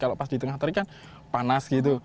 kalau pas di tengah terik kan panas gitu